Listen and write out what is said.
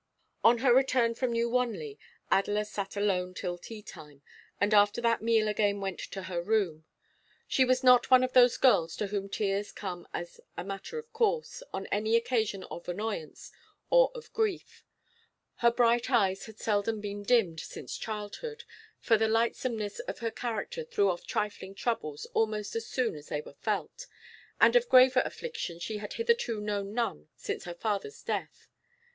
On her return from New Wanley, Adela sat alone till tea time, and after that meal again went to her room. She was not one of those girls to whom tears come as a matter of course on any occasion of annoyance or of grief; her bright eyes had seldom been dimmed since childhood, for the lightsomeness of her character threw off trifling troubles almost as soon as they were felt, and of graver afflictions she had hitherto known none since her father's death.